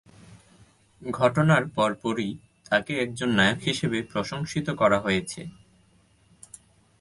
ঘটনার পরপরই, তাকে একজন নায়ক হিসেবে প্রশংসিত করা হয়েছে।